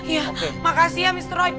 ya makasih ya mr roy